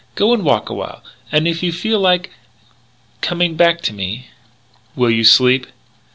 Go and walk a while. And if you feel like coming back to me " "Will you sleep?"